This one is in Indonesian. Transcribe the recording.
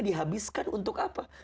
dihabiskan untuk apa